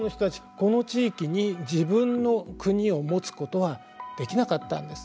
この地域に自分の国を持つことはできなかったんです。